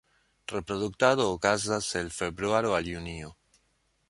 Reproduktado okazas el februaro al junio.